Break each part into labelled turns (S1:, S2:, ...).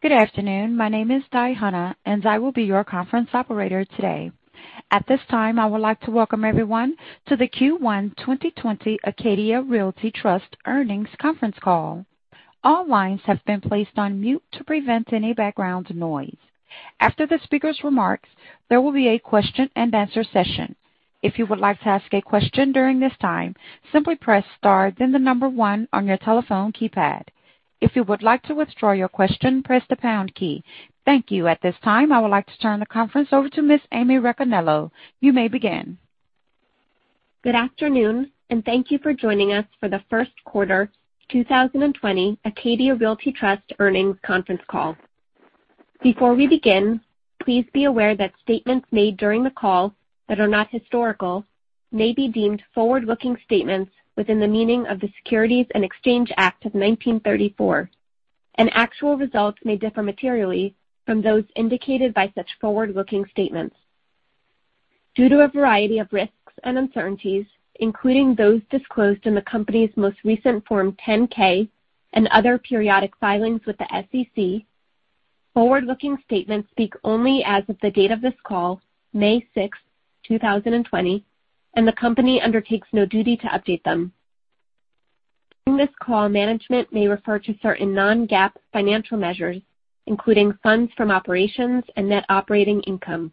S1: Good afternoon. My name is Di Hanna, and I will be your conference operator today. At this time, I would like to welcome everyone to the Q1 2020 Acadia Realty Trust Earnings Conference Call. All lines have been placed on mute to prevent any background noise. After the speaker's remarks, there will be a question and answer session. If you would like to ask a question during this time, simply press star, then the number one on your telephone keypad. If you would like to withdraw your question, press the pound key. Thank you. At this time, I would like to turn the conference over to Ms. Amy Racanello. You may begin.
S2: Good afternoon and thank you for joining us for the first quarter 2020 Acadia Realty Trust earnings conference call. Before we begin, please be aware that statements made during the call that are not historical may be deemed forward-looking statements within the meaning of the Securities Exchange Act of 1934, and actual results may differ materially from those indicated by such forward-looking statements. Due to a variety of risks and uncertainties, including those disclosed in the company's most recent Form 10-K and other periodic filings with the SEC, forward-looking statements speak only as of the date of this call, May 6, 2020, and the company undertakes no duty to update them. During this call, management may refer to certain non-GAAP financial measures, including funds from operations and net operating income.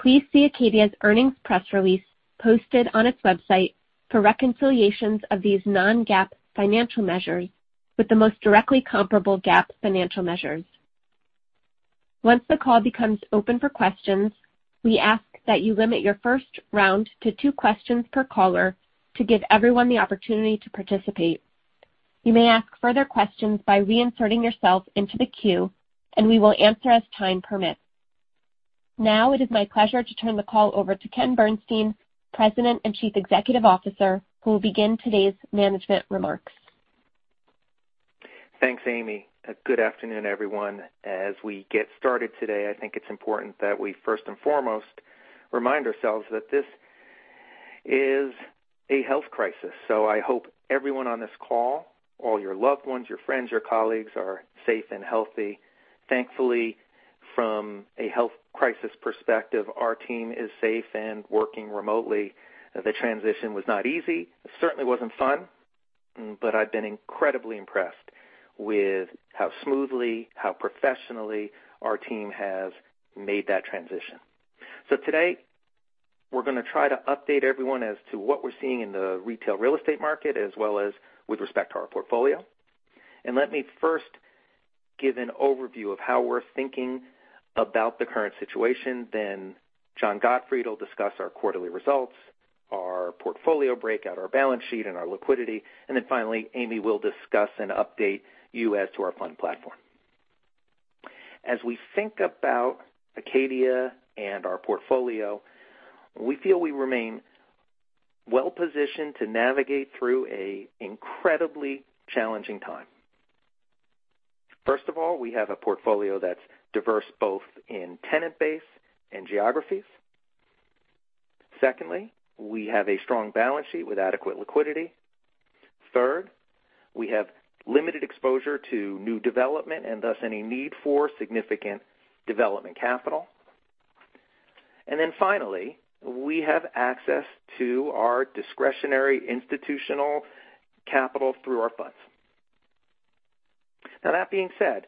S2: Please see Acadia's earnings press release posted on its website for reconciliations of these non-GAAP financial measures with the most directly comparable GAAP financial measures. Once the call becomes open for questions, we ask that you limit your first round to two questions per caller to give everyone the opportunity to participate. You may ask further questions by reinserting yourself into the queue, and we will answer as time permits. Now it is my pleasure to turn the call over to Ken Bernstein, President and Chief Executive Officer, who will begin today's management remarks.
S3: Thanks, Amy. Good afternoon, everyone. As we get started today, I think it's important that we first and foremost remind ourselves that this is a health crisis. I hope everyone on this call, all your loved ones, your friends, your colleagues, are safe and healthy. Thankfully, from a health crisis perspective, our team is safe and working remotely. The transition was not easy. It certainly wasn't fun, but I've been incredibly impressed with how smoothly, how professionally our team has made that transition. Today, we're going to try to update everyone as to what we're seeing in the retail real estate market as well as with respect to our portfolio. Let me first give an overview of how we're thinking about the current situation. John Gottfried will discuss our quarterly results, our portfolio breakout, our balance sheet, and our liquidity. Finally, Amy will discuss and update you as to our fund platform. As we think about Acadia and our portfolio, we feel we remain well-positioned to navigate through an incredibly challenging time. First of all, we have a portfolio that's diverse both in tenant base and geographies. Secondly, we have a strong balance sheet with adequate liquidity. Third, we have limited exposure to new development and thus any need for significant development capital. Finally, we have access to our discretionary institutional capital through our funds. That being said,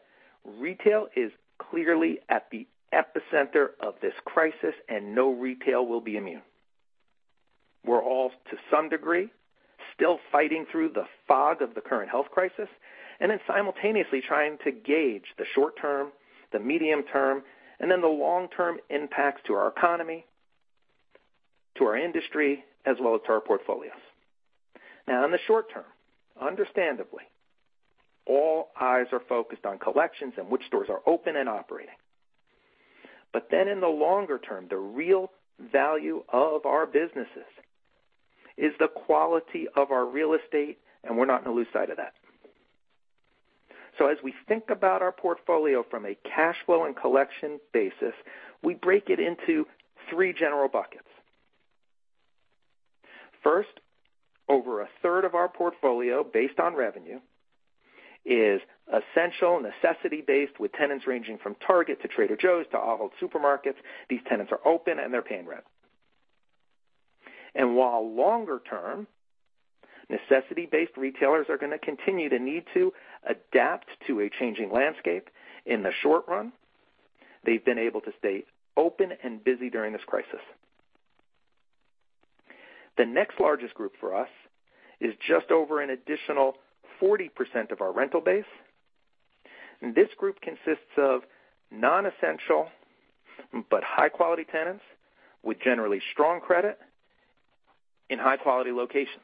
S3: retail is clearly at the epicenter of this crisis, and no retail will be immune. We're all, to some degree, still fighting through the fog of the current health crisis simultaneously trying to gauge the short term, the medium term, and the long-term impacts to our economy, to our industry, as well as to our portfolios. In the short term, understandably, all eyes are focused on collections and which stores are open and operating. In the longer term, the real value of our businesses is the quality of our real estate, and we're not going to lose sight of that. As we think about our portfolio from a cash flow and collection basis, we break it into three general buckets. First, over a third of our portfolio, based on revenue, is essential necessity-based with tenants ranging from Target to Trader Joe's to Aldi Supermarkets. These tenants are open, and they're paying rent. While longer-term necessity-based retailers are going to continue to need to adapt to a changing landscape, in the short run, they've been able to stay open and busy during this crisis. The next largest group for us is just over an additional 40% of our rental base. This group consists of non-essential but high-quality tenants with generally strong credit in high-quality locations.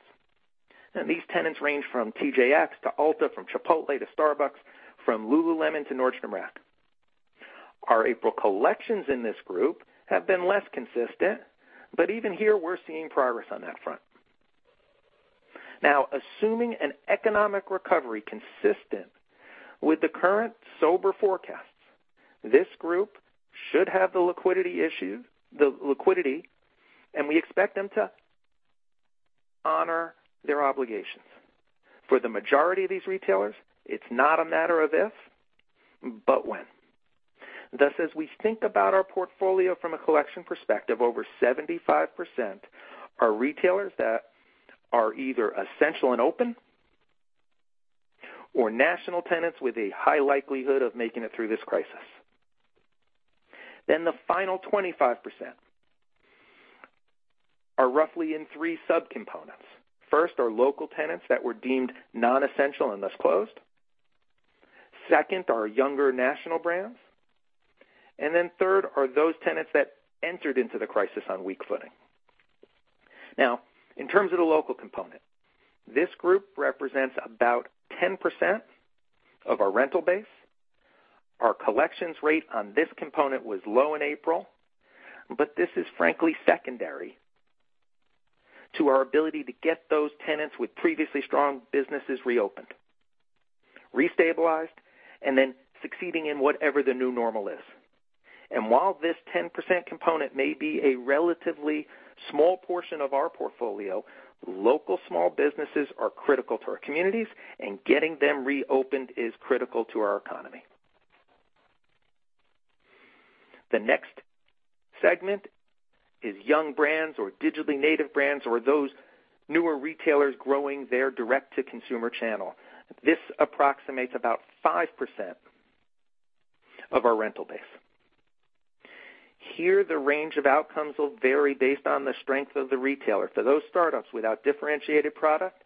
S3: These tenants range from TJX to Ulta, from Chipotle to Starbucks, from lululemon to Nordstrom Rack. Our April collections in this group have been less consistent, but even here, we're seeing progress on that front. Assuming an economic recovery consistent with the current sober forecasts, this group should have the liquidity, and we expect them to honor their obligations. For the majority of these retailers, it's not a matter of if, but when. As we think about our portfolio from a collection perspective, over 75% are retailers that are either essential and open or national tenants with a high likelihood of making it through this crisis. The final 25% are roughly in three sub-components. First, are local tenants that were deemed non-essential and thus closed. Second, are younger national brands. Third are those tenants that entered into the crisis on weak footing. In terms of the local component, this group represents about 10% of our rental base. Our collections rate on this component was low in April, but this is frankly secondary to our ability to get those tenants with previously strong businesses reopened, restabilized, and then succeeding in whatever the new normal is. While this 10% component may be a relatively small portion of our portfolio, local small businesses are critical to our communities, and getting them reopened is critical to our economy. The next segment is young brands or digitally native brands, or those newer retailers growing their direct-to-consumer channel. This approximates about 5% of our rental base. Here, the range of outcomes will vary based on the strength of the retailer. For those startups without differentiated product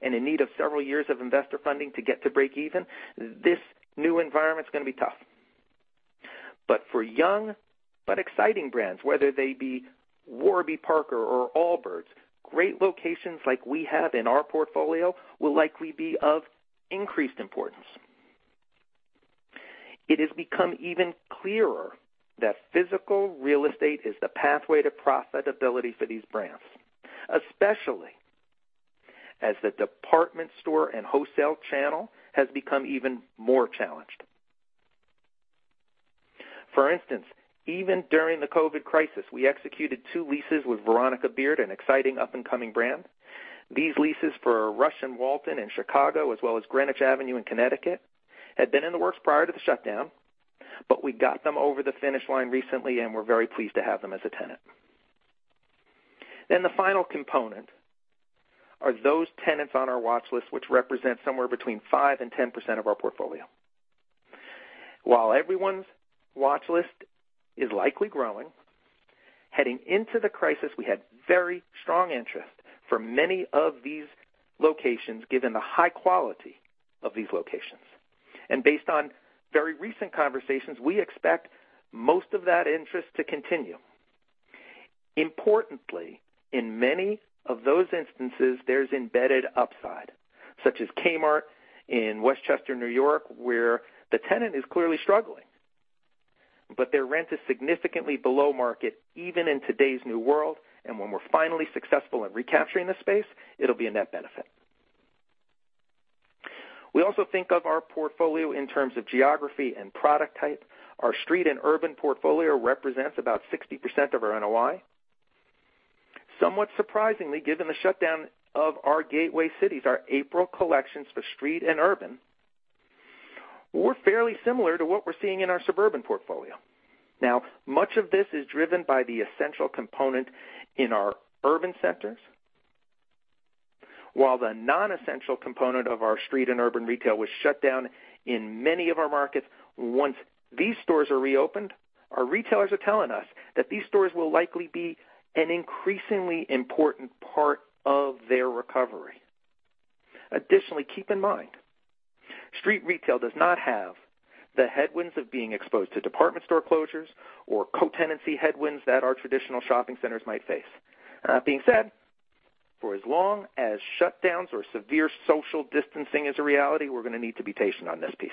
S3: and in need of several years of investor funding to get to breakeven, this new environment's going to be tough. For young but exciting brands, whether they be Warby Parker or Allbirds, great locations like we have in our portfolio will likely be of increased importance. It has become even clearer that physical real estate is the pathway to profitability for these brands, especially as the department store and wholesale channel has become even more challenged. For instance, even during the COVID crisis, we executed two leases with Veronica Beard, an exciting up-and-coming brand. These leases for Rush and Walton in Chicago, as well as Greenwich Avenue in Connecticut, had been in the works prior to the shutdown. We got them over the finish line recently, and we're very pleased to have them as a tenant. The final component are those tenants on our watch list, which represent somewhere between 5%-10% of our portfolio. While everyone's watch list is likely growing, heading into the crisis, we had very strong interest for many of these locations, given the high quality of these locations. Based on very recent conversations, we expect most of that interest to continue. Importantly, in many of those instances, there's embedded upside, such as Kmart in Westchester, New York, where the tenant is clearly struggling, but their rent is significantly below market, even in today's new world. When we're finally successful in recapturing the space, it'll be a net benefit. We also think of our portfolio in terms of geography and product type. Our street and urban portfolio represents about 60% of our NOI. Somewhat surprisingly, given the shutdown of our gateway cities, our April collections for street and urban were fairly similar to what we're seeing in our suburban portfolio. Much of this is driven by the essential component in our urban centers. While the non-essential component of our street and urban retail was shut down in many of our markets, once these stores are reopened, our retailers are telling us that these stores will likely be an increasingly important part of their recovery. Additionally, keep in mind, street retail does not have the headwinds of being exposed to department store closures or co-tenancy headwinds that our traditional shopping centers might face. That being said, for as long as shutdowns or severe social distancing is a reality, we're going to need to be patient on this piece.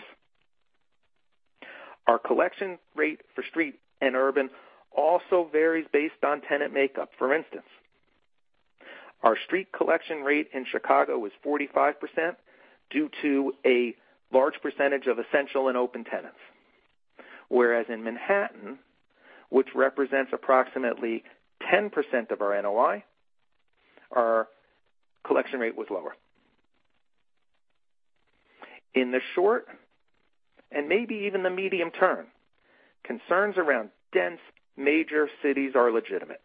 S3: Our collection rate for street and urban also varies based on tenant makeup. For instance, our street collection rate in Chicago was 45% due to a large percentage of essential and open tenants. Whereas in Manhattan, which represents approximately 10% of our NOI, our collection rate was lower. In the short and maybe even the medium-term, concerns around dense major cities are legitimate.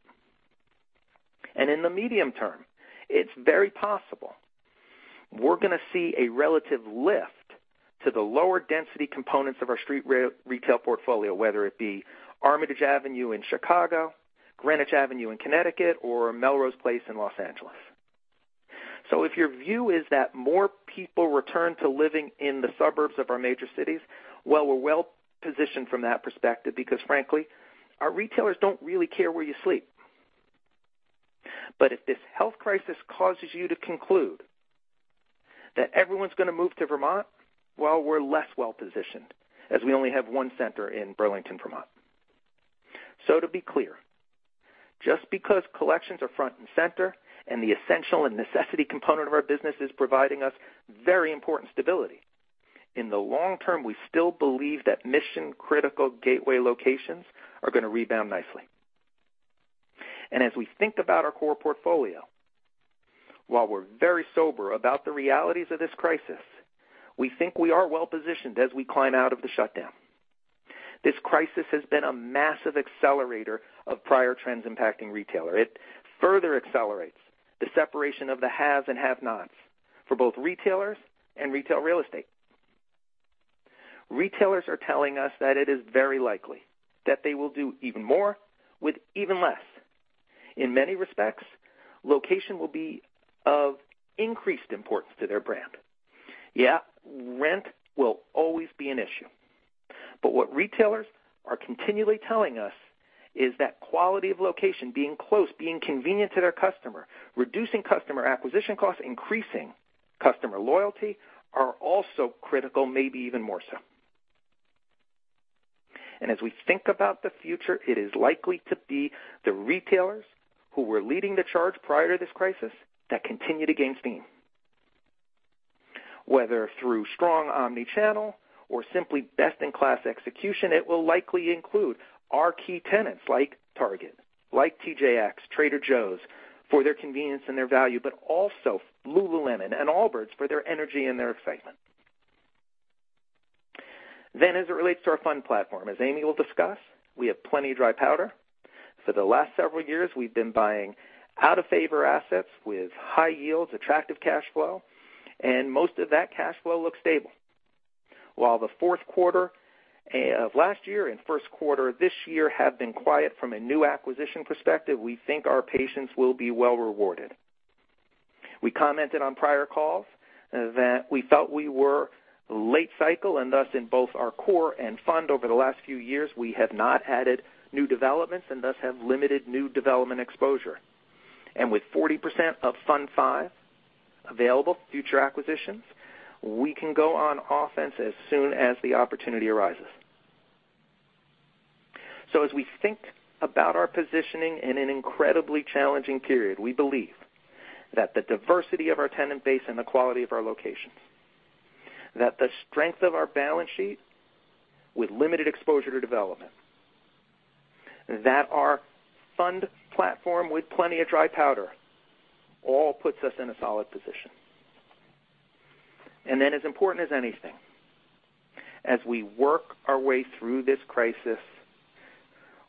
S3: In the medium-term, it's very possible we're going to see a relative lift to the lower density components of our street retail portfolio, whether it be Armitage Avenue in Chicago, Greenwich Avenue in Connecticut, or Melrose Place in Los Angeles. If your view is that more people return to living in the suburbs of our major cities, well, we're well-positioned from that perspective because frankly, our retailers don't really care where you sleep. If this health crisis causes you to conclude that everyone's going to move to Vermont, well, we're less well-positioned, as we only have one center in Burlington, Vermont. To be clear, just because collections are front and center and the essential and necessity component of our business is providing us very important stability. In the long term, we still believe that mission-critical gateway locations are going to rebound nicely. As we think about our core portfolio, while we're very sober about the realities of this crisis, we think we are well-positioned as we climb out of the shutdown. This crisis has been a massive accelerator of prior trends impacting retailer. It further accelerates the separation of the haves and have-nots for both retailers and retail real estate. Retailers are telling us that it is very likely that they will do even more with even less. In many respects, location will be of increased importance to their brand. Yeah, rent will always be an issue, but what retailers are continually telling us is that quality of location, being close, being convenient to their customer, reducing customer acquisition costs, increasing customer loyalty are also critical, maybe even more so. As we think about the future, it is likely to be the retailers who were leading the charge prior to this crisis that continue to gain steam. Whether through strong omni-channel or simply best-in-class execution, it will likely include our key tenants like Target, like TJX, Trader Joe's, for their convenience and their value, but also lululemon and Allbirds for their energy and their excitement. As it relates to our Fund platform, as Amy will discuss, we have plenty of dry powder. For the last several years, we've been buying out-of-favor assets with high yields, attractive cash flow, and most of that cash flow looks stable. While the fourth quarter of last year and first quarter this year have been quiet from a new acquisition perspective, we think our patience will be well-rewarded. We commented on prior calls that we felt we were late cycle, and thus in both our core and fund over the last few years, we have not added new developments and thus have limited new development exposure. With 40% of Fund V available for future acquisitions, we can go on offense as soon as the opportunity arises. As we think about our positioning in an incredibly challenging period, we believe that the diversity of our tenant base and the quality of our locations, that the strength of our balance sheet with limited exposure to development, that our fund platform with plenty of dry powder, all puts us in a solid position. Then as important as anything, as we work our way through this crisis,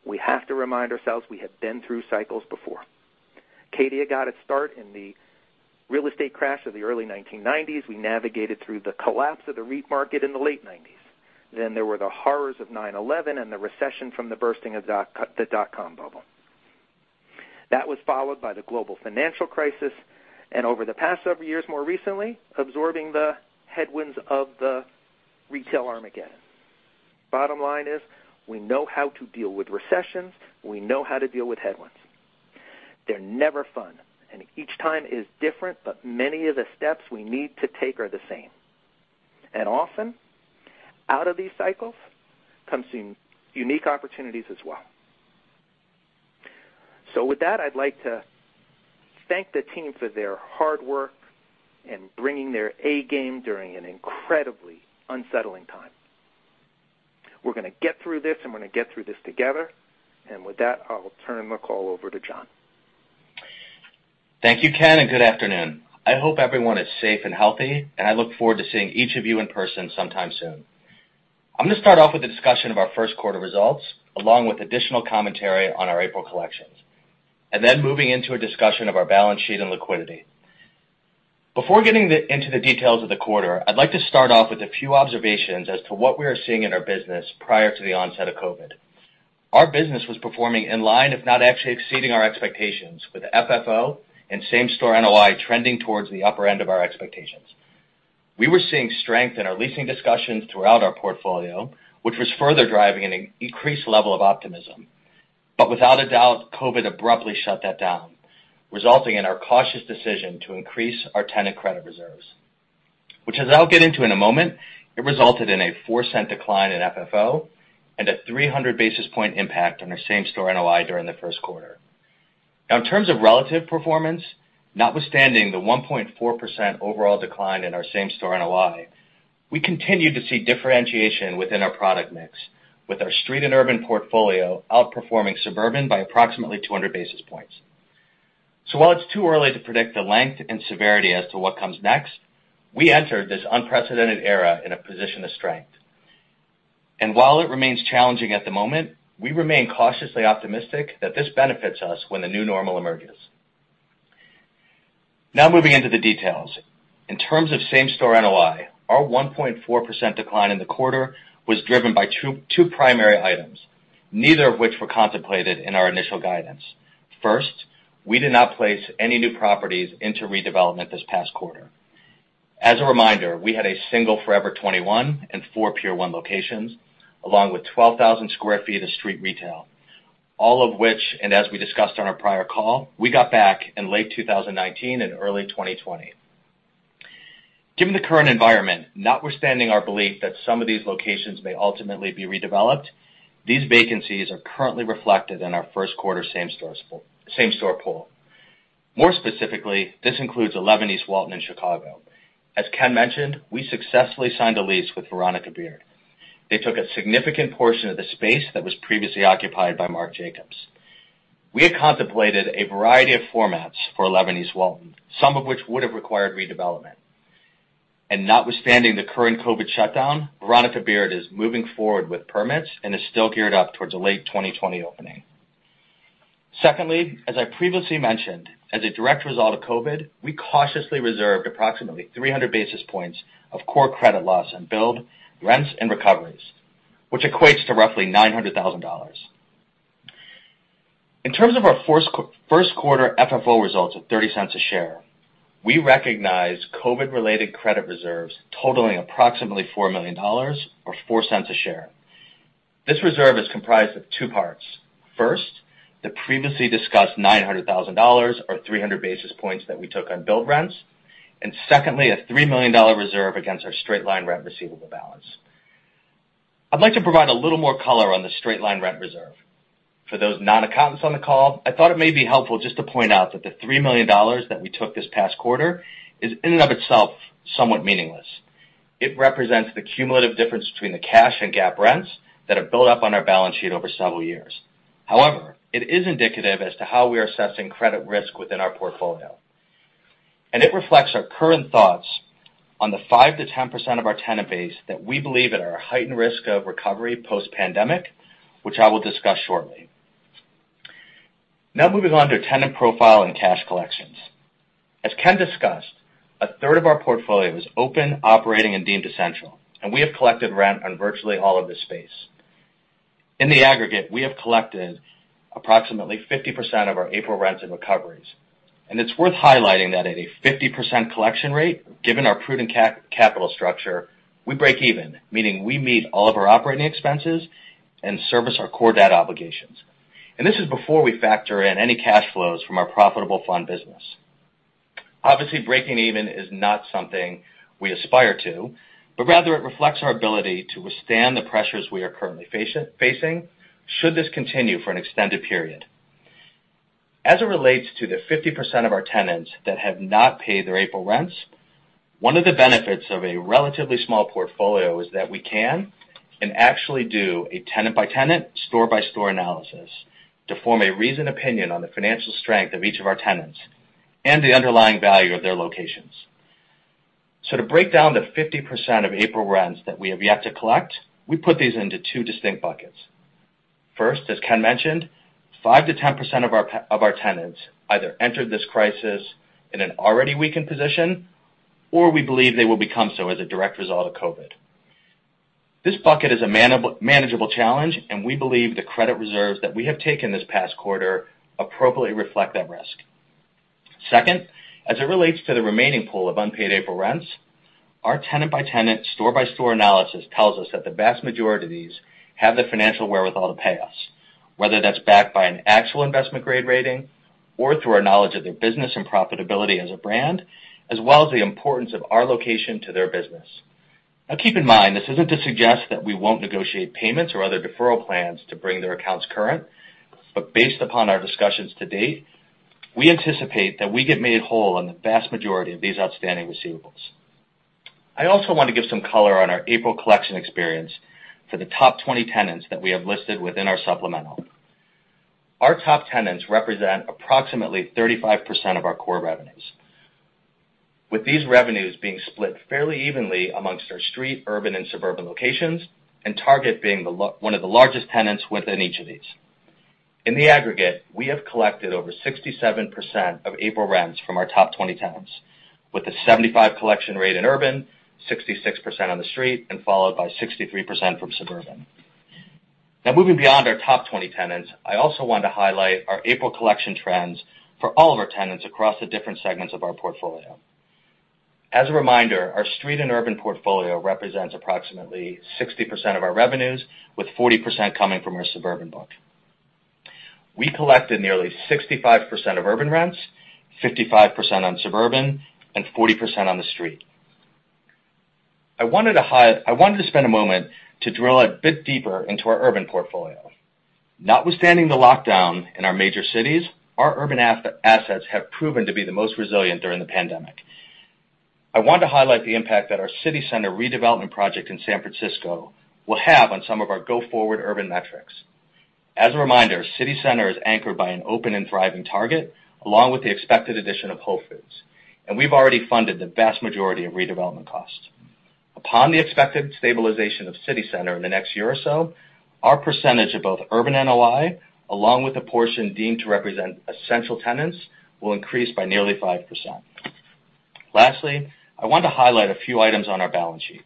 S3: we have to remind ourselves we have been through cycles before. Acadia got its start in the real estate crash of the early 1990s. We navigated through the collapse of the REIT market in the late '90s. Then there were the horrors of September 11, 2001, and the recession from the bursting of the dotcom bubble. That was followed by the global financial crisis, and over the past several years more recently, absorbing the headwinds of the retail Armageddon. Bottom line is, we know how to deal with recessions. We know how to deal with headwinds. They're never fun, and each time is different, but many of the steps we need to take are the same. Often, out of these cycles comes unique opportunities as well. With that, I'd like to thank the team for their hard work in bringing their A game during an incredibly unsettling time. We're going to get through this, and we're going to get through this together. With that, I will turn the call over to John.
S4: Thank you, Ken, and good afternoon. I hope everyone is safe and healthy, and I look forward to seeing each of you in person sometime soon. I'm going to start off with a discussion of our first quarter results, along with additional commentary on our April collections, and then moving into a discussion of our balance sheet and liquidity. Before getting into the details of the quarter, I'd like to start off with a few observations as to what we were seeing in our business prior to the onset of COVID. Our business was performing in line, if not actually exceeding our expectations with FFO and same-store NOI trending towards the upper end of our expectations. We were seeing strength in our leasing discussions throughout our portfolio, which was further driving an increased level of optimism. Without a doubt, COVID abruptly shut that down, resulting in our cautious decision to increase our tenant credit reserves. Which as I'll get into in a moment, it resulted in a $0.04 decline in FFO and a 300 basis point impact on our same-store NOI during the first quarter. In terms of relative performance, notwithstanding the 1.4% overall decline in our same-store NOI, we continue to see differentiation within our product mix with our street and urban portfolio outperforming suburban by approximately 200 basis points. While it's too early to predict the length and severity as to what comes next, we entered this unprecedented era in a position of strength. While it remains challenging at the moment, we remain cautiously optimistic that this benefits us when the new normal emerges. Moving into the details. In terms of same-store NOI, our 1.4% decline in the quarter was driven by two primary items, neither of which were contemplated in our initial guidance. First, we did not place any new properties into redevelopment this past quarter. As a reminder, we had a single Forever 21 and four Pier 1 locations, along with 12,000 sq ft of street retail, all of which, and as we discussed on our prior call, we got back in late 2019 and early 2020. Given the current environment, notwithstanding our belief that some of these locations may ultimately be redeveloped, these vacancies are currently reflected in our first quarter same-store pool. More specifically, this includes 11 East Walton in Chicago. As Ken mentioned, we successfully signed a lease with Veronica Beard. They took a significant portion of the space that was previously occupied by Marc Jacobs. We had contemplated a variety of formats for 11 East Walton, some of which would have required redevelopment. Notwithstanding the current COVID shutdown, Veronica Beard is moving forward with permits and is still geared up towards a late 2020 opening. Secondly, as I previously mentioned, as a direct result of COVID, we cautiously reserved approximately 300 basis points of core credit loss and build rents and recoveries, which equates to roughly $900,000. In terms of our first quarter FFO results of $0.30 a share, we recognize COVID-related credit reserves totaling approximately $4 million or $0.04 a share. This reserve is comprised of two parts. First, the previously discussed $900,000 or 300 basis points that we took on build rents, and secondly, a $3 million reserve against our straight-line rent receivable balance. I'd like to provide a little more color on the straight-line rent reserve. For those non-accountants on the call, I thought it may be helpful just to point out that the $3 million that we took this past quarter is in and of itself somewhat meaningless. It represents the cumulative difference between the cash and GAAP rents that have built up on our balance sheet over several years. However, it is indicative as to how we are assessing credit risk within our portfolio. It reflects our current thoughts on the 5%-10% of our tenant base that we believe are at a heightened risk of recovery post-pandemic, which I will discuss shortly. Now moving on to tenant profile and cash collections. As Ken discussed, a third of our portfolio is open, operating, and deemed essential, and we have collected rent on virtually all of this space. In the aggregate, we have collected approximately 50% of our April rents and recoveries. It's worth highlighting that at a 50% collection rate, given our prudent capital structure, we break even, meaning we meet all of our operating expenses and service our core debt obligations. This is before we factor in any cash flows from our profitable fund business. Obviously, breaking even is not something we aspire to, but rather it reflects our ability to withstand the pressures we are currently facing should this continue for an extended period. As it relates to the 50% of our tenants that have not paid their April rents, one of the benefits of a relatively small portfolio is that we can and actually do a tenant-by-tenant, store-by-store analysis to form a reasoned opinion on the financial strength of each of our tenants and the underlying value of their locations. To break down the 50% of April rents that we have yet to collect, we put these into two distinct buckets. First, as Ken mentioned, 5%-10% of our tenants either entered this crisis in an already weakened position, or we believe they will become so as a direct result of COVID. This bucket is a manageable challenge, and we believe the credit reserves that we have taken this past quarter appropriately reflect that risk. Second, as it relates to the remaining pool of unpaid April rents, our tenant-by-tenant, store-by-store analysis tells us that the vast majority of these have the financial wherewithal to pay us, whether that's backed by an actual investment grade rating or through our knowledge of their business and profitability as a brand, as well as the importance of our location to their business. Now keep in mind, this isn't to suggest that we won't negotiate payments or other deferral plans to bring their accounts current. Based upon our discussions to date, we anticipate that we get made whole on the vast majority of these outstanding receivables. I also want to give some color on our April collection experience for the top 20 tenants that we have listed within our supplemental. Our top tenants represent approximately 35% of our core revenues, with these revenues being split fairly evenly amongst our street, urban, and suburban locations, and Target being one of the largest tenants within each of these. In the aggregate, we have collected over 67% of April rents from our top 20 tenants, with a 75% collection rate in urban, 66% on the street, and followed by 63% from suburban. Moving beyond our top 20 tenants, I also want to highlight our April collection trends for all of our tenants across the different segments of our portfolio. As a reminder, our street and urban portfolio represents approximately 60% of our revenues, with 40% coming from our suburban book. We collected nearly 65% of urban rents, 55% on suburban, and 40% on the street. I wanted to spend a moment to drill a bit deeper into our urban portfolio. Notwithstanding the lockdown in our major cities, our urban assets have proven to be the most resilient during the pandemic. I want to highlight the impact that our City Center redevelopment project in San Francisco will have on some of our go-forward urban metrics. As a reminder, City Center is anchored by an open and thriving Target, along with the expected addition of Whole Foods, and we've already funded the vast majority of redevelopment costs. Upon the expected stabilization of City Center in the next year or so, our percentage of both urban NOI, along with the portion deemed to represent essential tenants, will increase by nearly 5%. Lastly, I want to highlight a few items on our balance sheet.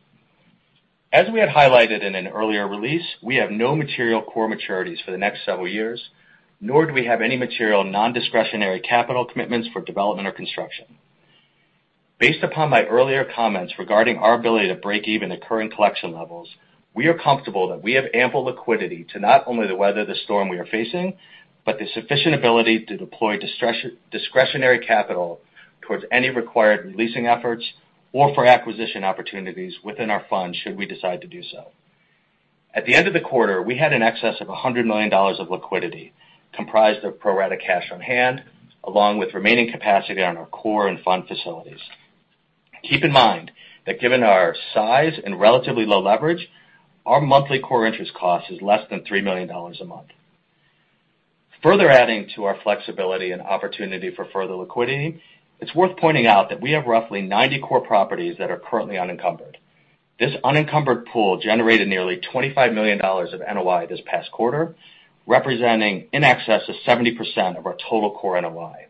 S4: As we had highlighted in an earlier release, we have no material core maturities for the next several years, nor do we have any material non-discretionary capital commitments for development or construction. Based upon my earlier comments regarding our ability to break even at current collection levels, we are comfortable that we have ample liquidity to not only to weather the storm we are facing, but the sufficient ability to deploy discretionary capital towards any required leasing efforts or for acquisition opportunities within our fund should we decide to do so. At the end of the quarter, we had an excess of $100 million of liquidity comprised of pro-rata cash on hand, along with remaining capacity on our core and fund facilities. Keep in mind that given our size and relatively low leverage, our monthly core interest cost is less than $3 million a month. Further adding to our flexibility and opportunity for further liquidity, it is worth pointing out that we have roughly 90 core properties that are currently unencumbered. This unencumbered pool generated nearly $25 million of NOI this past quarter, representing in excess of 70% of our total core NOI.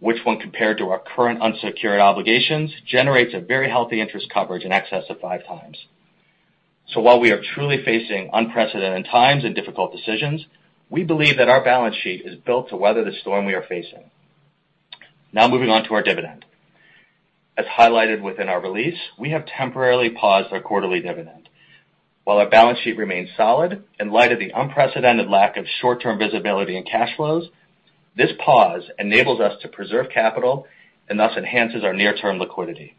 S4: When compared to our current unsecured obligations, generates a very healthy interest coverage in excess of 5x. While we are truly facing unprecedented times and difficult decisions, we believe that our balance sheet is built to weather the storm we are facing. Moving on to our dividend. As highlighted within our release, we have temporarily paused our quarterly dividend. While our balance sheet remains solid, in light of the unprecedented lack of short-term visibility and cash flows, this pause enables us to preserve capital and thus enhances our near-term liquidity.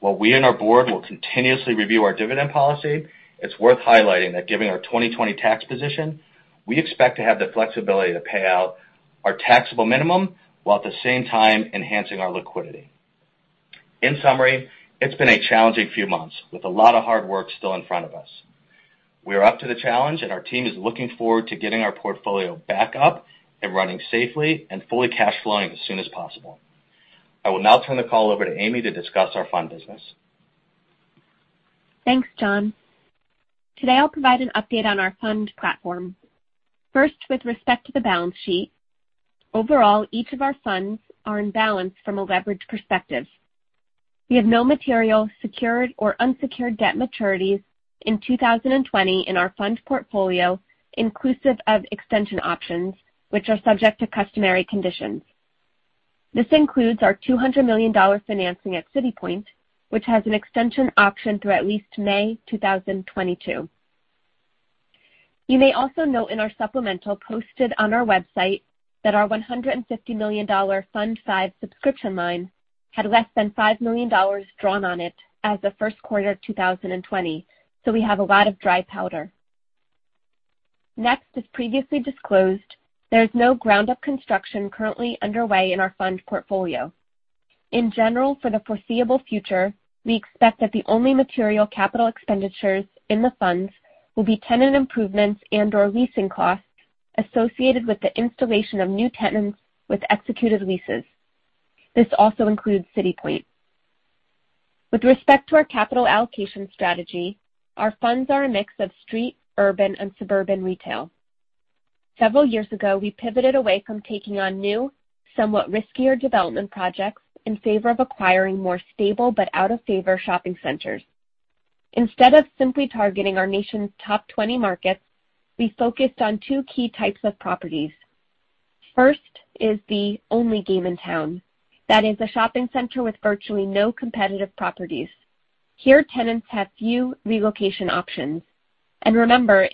S4: While we and our board will continuously review our dividend policy, it's worth highlighting that given our 2020 tax position, we expect to have the flexibility to pay out our taxable minimum, while at the same time enhancing our liquidity. In summary, it's been a challenging few months with a lot of hard work still in front of us. We are up to the challenge, and our team is looking forward to getting our portfolio back up and running safely and fully cash flowing as soon as possible. I will now turn the call over to Amy to discuss our fund business.
S2: Thanks, John. Today I'll provide an update on our fund platform. First, with respect to the balance sheet, overall, each of our funds are in balance from a leverage perspective. We have no material secured or unsecured debt maturities in 2020 in our fund portfolio, inclusive of extension options, which are subject to customary conditions. This includes our $200 million financing at City Point, which has an extension option through at least May 2022. You may also note in our supplemental posted on our website that our $150 million Fund V subscription line had less than $5 million drawn on it as of first quarter 2020. We have a lot of dry powder. Next, as previously disclosed, there is no ground-up construction currently underway in our fund portfolio. In general, for the foreseeable future, we expect that the only material capital expenditures in the funds will be tenant improvements and/or leasing costs associated with the installation of new tenants with executed leases. This also includes City Point. With respect to our capital allocation strategy, our funds are a mix of street, urban, and suburban retail. Several years ago, we pivoted away from taking on new, somewhat riskier development projects in favor of acquiring more stable but out-of-favor shopping centers. Instead of simply targeting our nation's top 20 markets, we focused on two key types of properties. First is the only game in town. That is a shopping center with virtually no competitive properties. Here, tenants have few relocation options. Remember,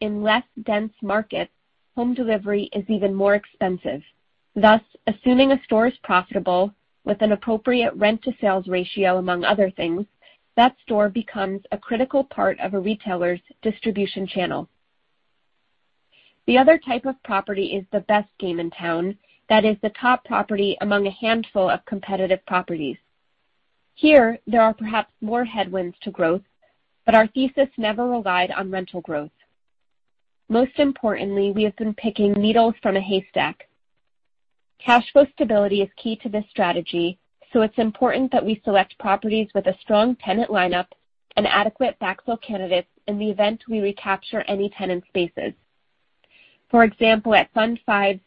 S2: in less dense markets, home delivery is even more expensive. Thus, assuming a store is profitable with an appropriate rent-to-sales ratio, among other things, that store becomes a critical part of a retailer's distribution channel. The other type of property is the best game in town. That is the top property among a handful of competitive properties. Here, there are perhaps more headwinds to growth, but our thesis never relied on rental growth. Most importantly, we have been picking needles from a haystack. Cash flow stability is key to this strategy, so it's important that we select properties with a strong tenant lineup and adequate backfill candidates in the event we recapture any tenant spaces. For example, at Fund V's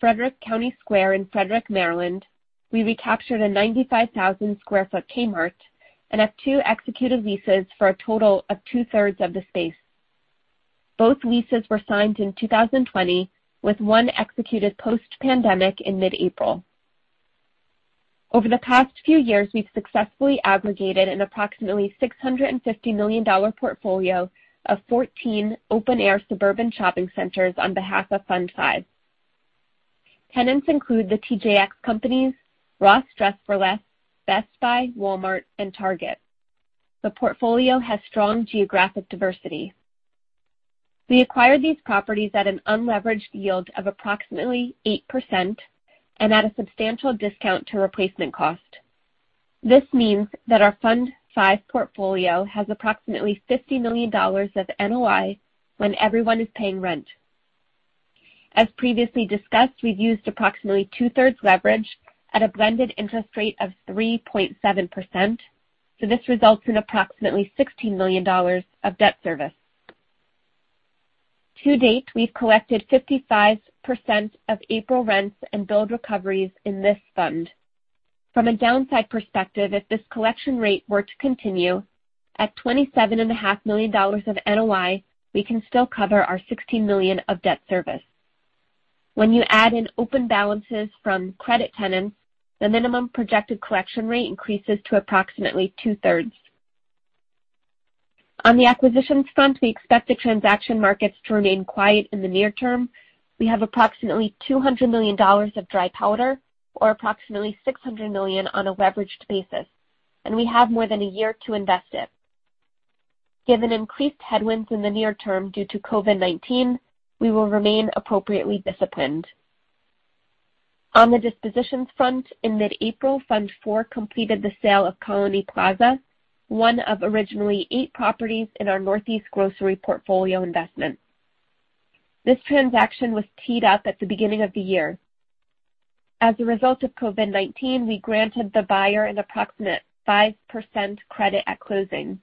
S2: Frederick County Square in Frederick, Maryland, we recaptured a 95,000 sq ft Kmart and have two executed leases for a total of two-thirds of the space. Both leases were signed in 2020, with one executed post-pandemic in mid-April. Over the past few years, we've successfully aggregated an approximately $650 million portfolio of 14 open-air suburban shopping centers on behalf of Fund V. Tenants include the TJX Companies, Ross Dress for Less, Best Buy, Walmart, and Target. The portfolio has strong geographic diversity. We acquired these properties at an unleveraged yield of approximately 8% and at a substantial discount to replacement cost. This means that our Fund V portfolio has approximately $50 million of NOI when everyone is paying rent. As previously discussed, we've used approximately two-thirds leverage at a blended interest rate of 3.7%, so this results in approximately $16 million of debt service. To date, we've collected 55% of April rents and build recoveries in this fund. From a downside perspective, if this collection rate were to continue at $27.5 million of NOI, we can still cover our $16 million of debt service. When you add in open balances from credit tenants, the minimum projected collection rate increases to approximately two-thirds. On the acquisitions front, we expect the transaction markets to remain quiet in the near term. We have approximately $200 million of dry powder or approximately $600 million on a leveraged basis. We have more than a year to invest it. Given increased headwinds in the near term due to COVID-19, we will remain appropriately disciplined. On the dispositions front, in mid-April, Fund IV completed the sale of Colony Plaza, one of originally eight properties in our Northeast Grocery portfolio investment. This transaction was teed up at the beginning of the year. As a result of COVID-19, we granted the buyer an approximate 5% credit at closing.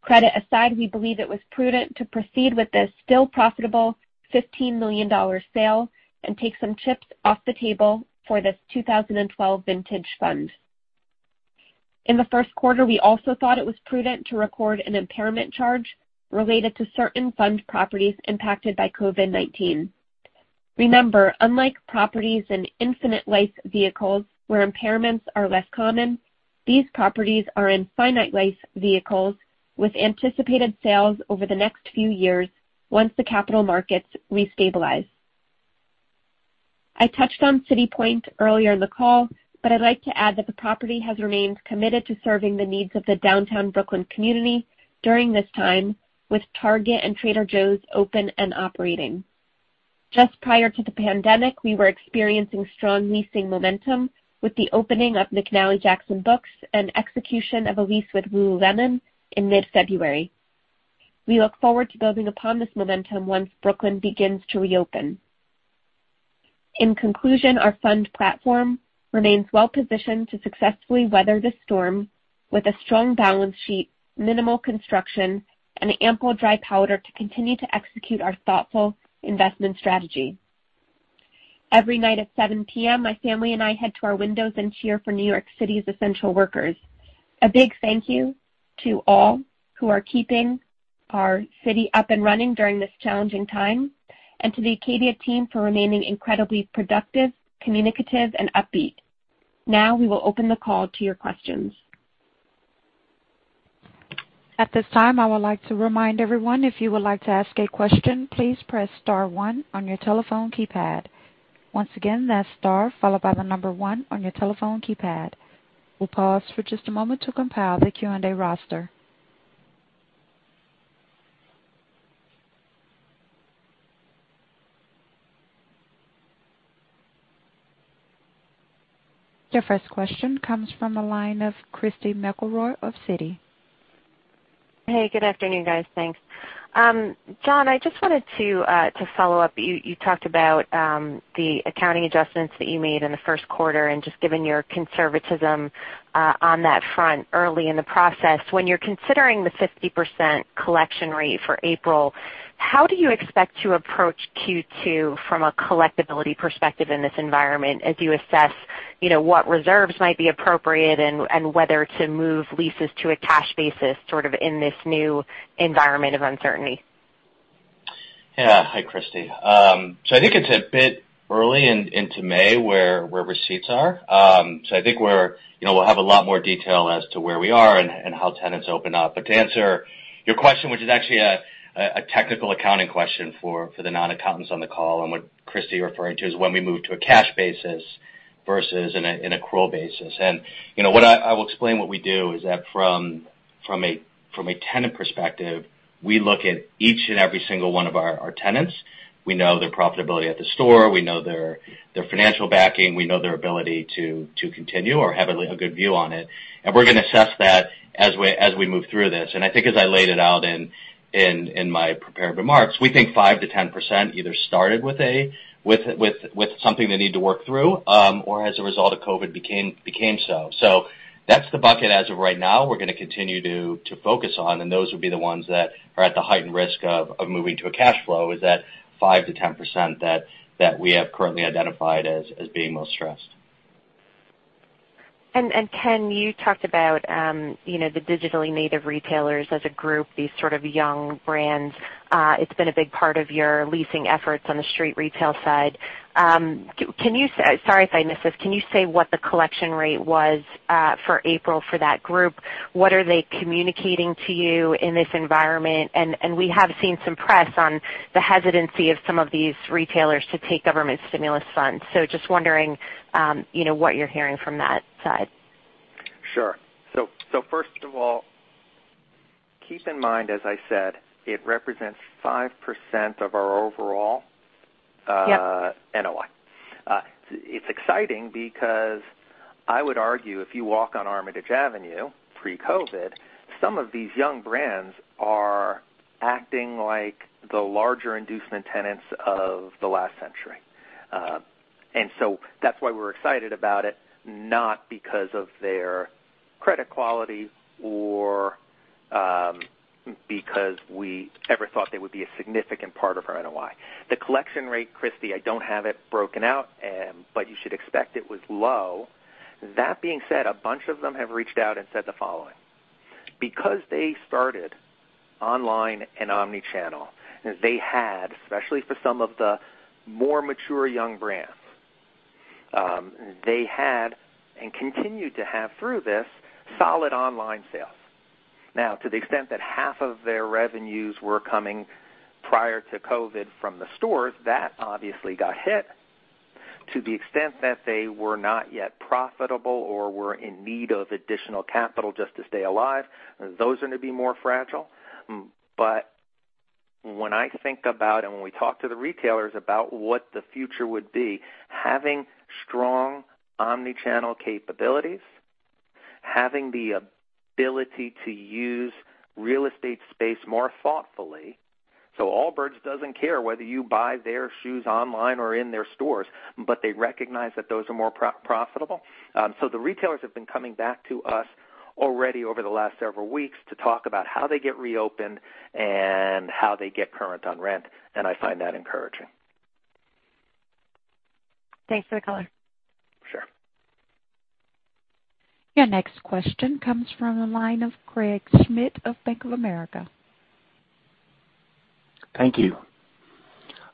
S2: Credit aside, we believe it was prudent to proceed with this still profitable $15 million sale and take some chips off the table for this 2012 vintage fund. In the first quarter, we also thought it was prudent to record an impairment charge related to certain fund properties impacted by COVID-19. Remember, unlike properties in infinite life vehicles, where impairments are less common, these properties are in finite life vehicles with anticipated sales over the next few years once the capital markets restabilize. I touched on City Point earlier in the call. I'd like to add that the property has remained committed to serving the needs of the downtown Brooklyn community during this time with Target and Trader Joe's open and operating. Just prior to the pandemic, we were experiencing strong leasing momentum with the opening of McNally Jackson books and execution of a lease with lululemon in mid-February. We look forward to building upon this momentum once Brooklyn begins to reopen. In conclusion, our fund platform remains well positioned to successfully weather this storm with a strong balance sheet, minimal construction, and ample dry powder to continue to execute our thoughtful investment strategy. Every night at 7:00 P.M., my family and I head to our windows and cheer for New York City's essential workers. A big thank you to all who are keeping our city up and running during this challenging time and to the Acadia team for remaining incredibly productive, communicative, and upbeat. We will open the call to your questions.
S1: At this time, I would like to remind everyone if you would like to ask a question, please press star one on your telephone keypad. Once again, that's star, followed by the number one on your telephone keypad. We'll pause for just a moment to compile the Q&A roster. Your first question comes from the line of Christy McElroy of Citi.
S5: Hey, good afternoon, guys. Thanks. John, I just wanted to follow up. You talked about the accounting adjustments that you made in the first quarter and just given your conservatism on that front early in the process. When you're considering the 50% collection rate for April, how do you expect to approach Q2 from a collectibility perspective in this environment as you assess what reserves might be appropriate and whether to move leases to a cash basis sort of in this new environment of uncertainty?
S4: Hi, Christy. I think it's a bit early into May where receipts are. I think we'll have a lot more detail as to where we are and how tenants open up. To answer your question, which is actually a technical accounting question for the non-accountants on the call, and what Christy is referring to is when we move to a cash basis versus an accrual basis. I will explain what we do is that from a tenant perspective, we look at each and every single one of our tenants. We know their profitability at the store. We know their financial backing. We know their ability to continue or have a good view on it. We're going to assess that as we move through this. I think as I laid it out in my prepared remarks, we think 5%-10% either started with something they need to work through or as a result of COVID became so. That's the bucket as of right now we're going to continue to focus on, and those would be the ones that are at the heightened risk of moving to a cash flow, is that 5%-10% that we have currently identified as being most stressed.
S5: Ken, you talked about the digitally native retailers as a group, these sort of young brands. It's been a big part of your leasing efforts on the street retail side. Sorry if I missed this, can you say what the collection rate was for April for that group? What are they communicating to you in this environment? We have seen some press on the hesitancy of some of these retailers to take government stimulus funds. Just wondering what you're hearing from that side.
S3: Sure. First of all, keep in mind, as I said, it represents 5%.
S5: Yep.
S3: NOI. It's exciting because I would argue if you walk on Armitage Avenue pre-COVID, some of these young brands are acting like the larger inducement tenants of the last century. That's why we're excited about it, not because of their credit quality or because we ever thought they would be a significant part of our NOI. The collection rate, Christy, I don't have it broken out, but you should expect it was low. That being said, a bunch of them have reached out and said the following. Because they started online and omni-channel, they had, especially for some of the more mature young brands, they had and continue to have through this solid online sales. To the extent that half of their revenues were coming prior to COVID from the stores, that obviously got hit. To the extent that they were not yet profitable or were in need of additional capital just to stay alive, those are going to be more fragile. When I think about, and when we talk to the retailers about what the future would be, having strong omni-channel capabilities, having the ability to use real estate space more thoughtfully. Allbirds doesn't care whether you buy their shoes online or in their stores, but they recognize that those are more profitable. The retailers have been coming back to us already over the last several weeks to talk about how they get reopened and how they get current on rent, and I find that encouraging.
S5: Thanks for the color.
S3: Sure.
S1: Your next question comes from the line of Craig Schmidt of Bank of America.
S6: Thank you.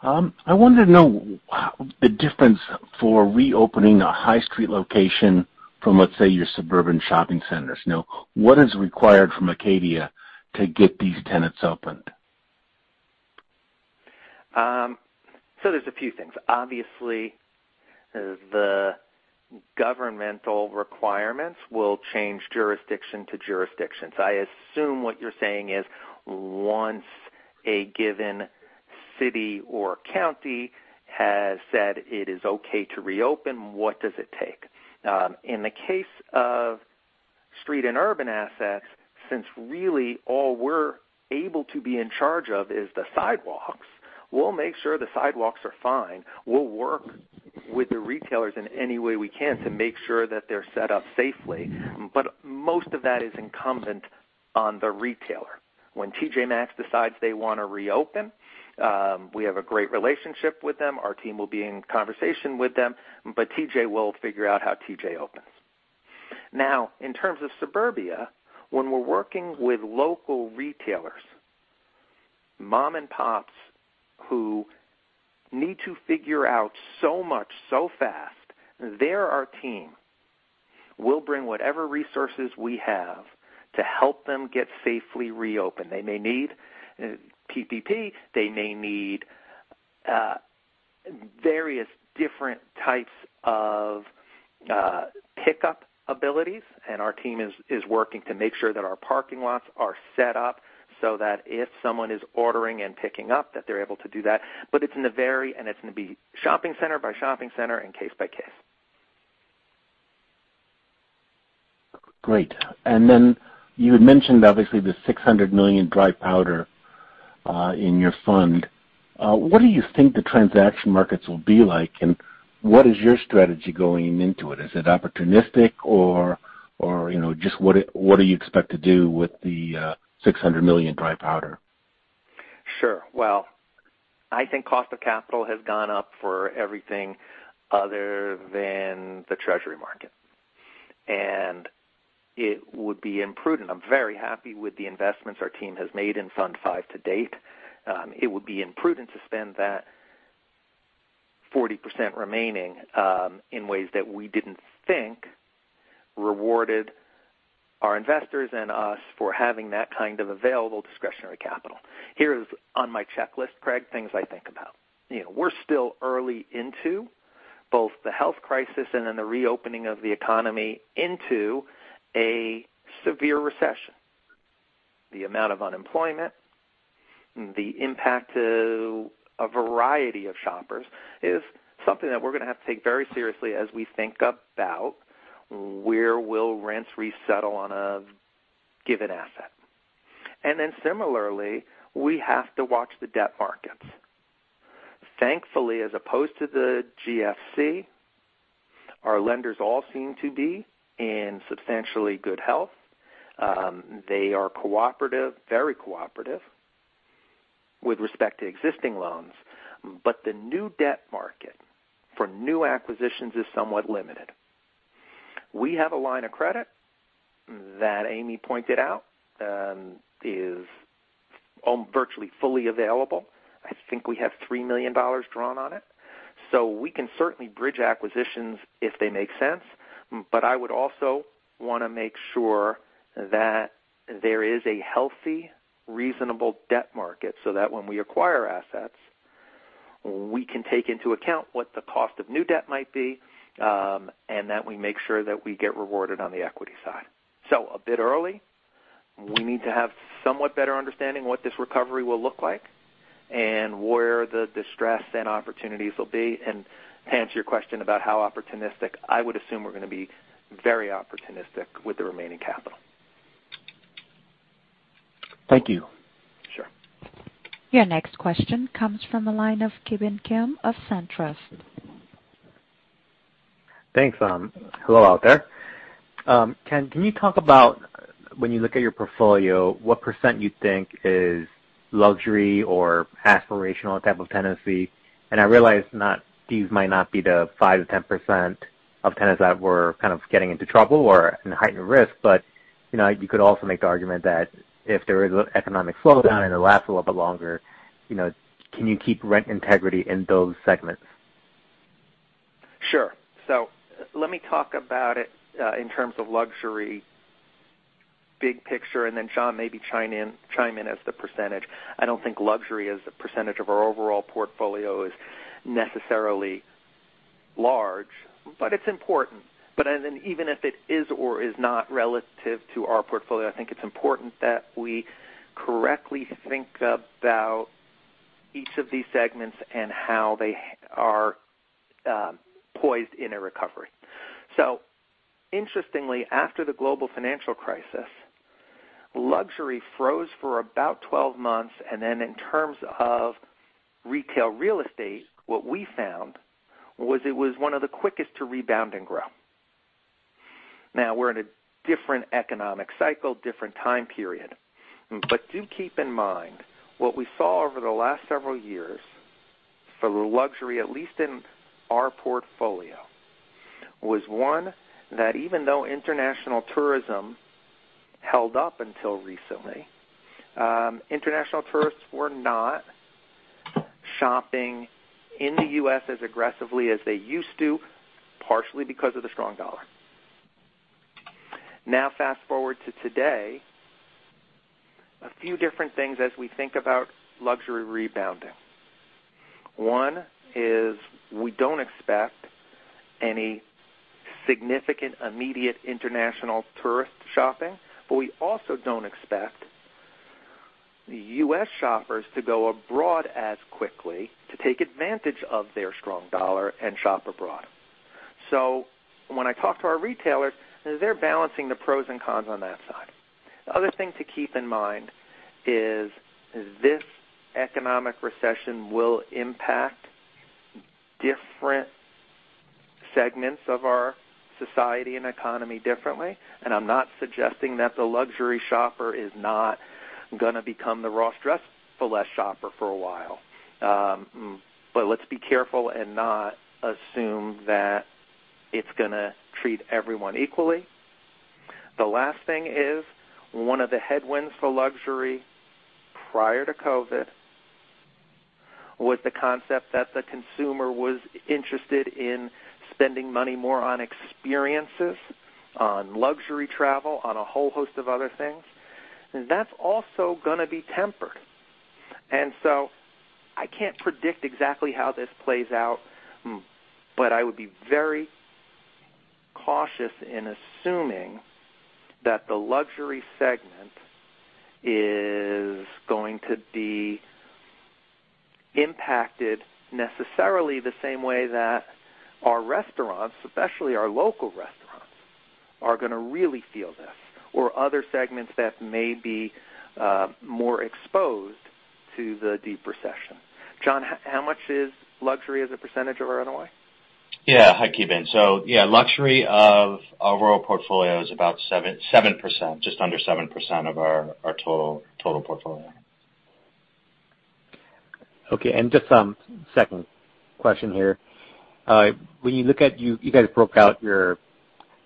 S6: I wanted to know the difference for reopening a high street location from, let's say, your suburban shopping centers. What is required from Acadia to get these tenants opened?
S3: There's a few things. Obviously, the governmental requirements will change jurisdiction to jurisdiction. I assume what you're saying is, once a given city or county has said it is okay to reopen, what does it take? In the case of street and urban assets, since really all we're able to be in charge of is the sidewalks, we'll make sure the sidewalks are fine. We'll work with the retailers in any way we can to make sure that they're set up safely. Most of that is incumbent on the retailer. When TJ Maxx decides they want to reopen, we have a great relationship with them. Our team will be in conversation with them, but TJ will figure out how TJ opens. In terms of suburbia, when we're working with local retailers, mom and pops who need to figure out so much so fast, they're our team. We'll bring whatever resources we have to help them get safely reopened. They may need PPP, they may need various different types of pickup abilities, and our team is working to make sure that our parking lots are set up so that if someone is ordering and picking up, that they're able to do that. It's in the vary, and it's going to be shopping center by shopping center and case by case.
S6: Great. You had mentioned, obviously, the $600 million dry powder in your fund. What do you think the transaction markets will be like, and what is your strategy going into it? Is it opportunistic or just what do you expect to do with the $600 million dry powder?
S3: Sure. Well, I think cost of capital has gone up for everything other than the treasury market. It would be imprudent. I'm very happy with the investments our team has made in Fund V to date. It would be imprudent to spend that 40% remaining in ways that we didn't think rewarded our investors and us for having that kind of available discretionary capital. Here is on my checklist, Craig, things I think about. We're still early into both the health crisis and then the reopening of the economy into a severe recession. The amount of unemployment, the impact to a variety of shoppers is something that we're going to have to take very seriously as we think about where will rents resettle on a given asset. Similarly, we have to watch the debt markets. Thankfully, as opposed to the GFC, our lenders all seem to be in substantially good health. They are cooperative, very cooperative with respect to existing loans, but the new debt market for new acquisitions is somewhat limited. We have a line of credit that Amy pointed out is virtually fully available. I think we have $3 million drawn on it. We can certainly bridge acquisitions if they make sense. I would also want to make sure that there is a healthy, reasonable debt market so that when we acquire assets, we can take into account what the cost of new debt might be, and that we make sure that we get rewarded on the equity side. A bit early. We need to have somewhat better understanding what this recovery will look like and where the distress and opportunities will be. To answer your question about how opportunistic, I would assume we're going to be very opportunistic with the remaining capital.
S6: Thank you.
S3: Sure.
S1: Your next question comes from the line of Ki Bin Kim of Truist.
S7: Thanks. Hello, out there. Can you talk about when you look at your portfolio, what percent you think is luxury or aspirational type of tenancy? I realize these might not be the 5%-10% of tenants that were kind of getting into trouble or in heightened risk. You could also make the argument that if there is an economic slowdown and it lasts a little bit longer, can you keep rent integrity in those segments?
S3: Sure. Let me talk about it in terms of luxury. Big picture, and then John, maybe chime in as the percentage. I don't think luxury as a percentage of our overall portfolio is necessarily large, but it's important. Even if it is or is not relative to our portfolio, I think it's important that we correctly think about each of these segments and how they are poised in a recovery. Interestingly, after the global financial crisis, luxury froze for about 12 months, and then in terms of retail real estate, what we found was it was one of the quickest to rebound and grow. Now we're in a different economic cycle, different time period. Do keep in mind, what we saw over the last several years for luxury, at least in our portfolio, was one, that even though international tourism held up until recently, international tourists were not shopping in the U.S. as aggressively as they used to, partially because of the strong dollar. Fast-forward to today, a few different things as we think about luxury rebounding. One is we don't expect any significant immediate international tourist shopping, but we also don't expect the U.S. shoppers to go abroad as quickly to take advantage of their strong dollar and shop abroad. When I talk to our retailers, they're balancing the pros and cons on that side. The other thing to keep in mind is, this economic recession will impact different segments of our society and economy differently. I'm not suggesting that the luxury shopper is not going to become the Ross Dress for Less shopper for a while. Let's be careful and not assume that it's going to treat everyone equally. The last thing is, one of the headwinds for luxury prior to COVID was the concept that the consumer was interested in spending money more on experiences, on luxury travel, on a whole host of other things. That's also going to be tempered. I can't predict exactly how this plays out, but I would be very cautious in assuming that the luxury segment is going to be impacted necessarily the same way that our restaurants, especially our local restaurants, are going to really feel this, or other segments that may be more exposed to the deep recession. John, how much is luxury as a percentage of our NOI?
S4: Yeah. Hi, Ki Bin. So yeah, luxury of our overall portfolio is about 7%, just under 7% of our total portfolio.
S7: Okay, just second question here. You guys broke out your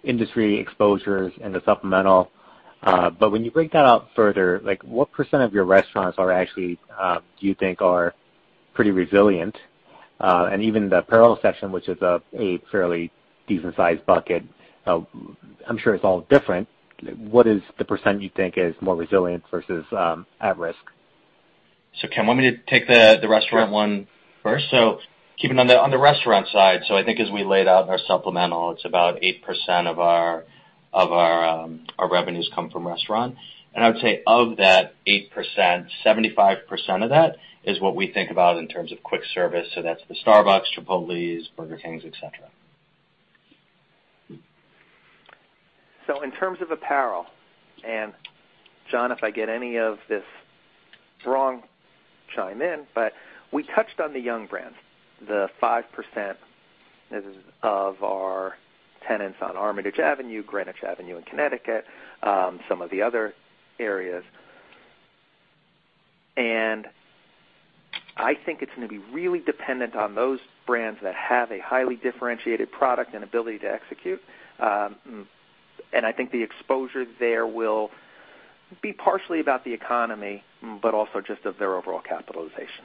S7: industry exposures in the supplemental, but when you break that out further, what percent of your restaurants do you think are pretty resilient? Even the apparel section, which is a fairly decent-sized bucket, I'm sure it's all different. What is the percent you think is more resilient versus at risk?
S4: Ken, you want me to take the restaurant one first? So keeping on the restaurant side, so I think as we laid out in our supplemental, it's about 8% of our revenues come from restaurant. I would say of that 8%, 75% of that is what we think about in terms of quick service. That's the Starbucks, Chipotles, Burger Kings, et cetera.
S3: In terms of apparel, John, if I get any of this wrong, chime in. We touched on the young brands, the 5% of our tenants on Armitage Avenue, Greenwich Avenue in Connecticut, some of the other areas. I think it's going to be really dependent on those brands that have a highly differentiated product and ability to execute. I think the exposure there will be partially about the economy, but also just of their overall capitalization.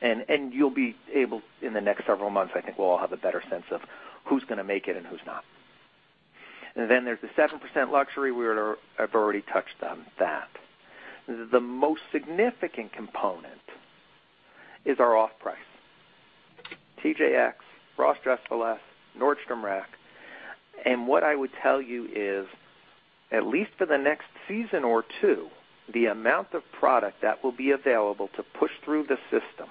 S3: You'll be able, in the next several months, I think we'll all have a better sense of who's going to make it and who's not. There's the 7% luxury. I've already touched on that. The most significant component is our off-price. TJX, Ross Dress for Less, Nordstrom Rack. What I would tell you is, at least for the next season or two, the amount of product that will be available to push through the system,